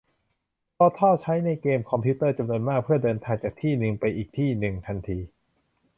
พอร์ทัลใช้ในเกมคอมพิวเตอร์จำนวนมากเพื่อเดินทางจากที่หนึ่งไปอีกที่หนึ่งทันที